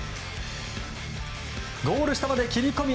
ゴール下まで切り込み